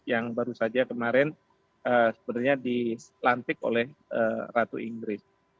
yang baru saja kemarin sebenarnya dilantik oleh ratu inggris